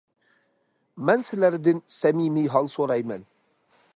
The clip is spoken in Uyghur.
مەن سىلەردىن سەمىمىي ھال سورايمەن.